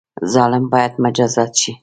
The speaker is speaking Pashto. ظالم باید مجازات شي